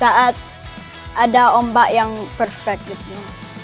saat ada ombak yang perfect gitu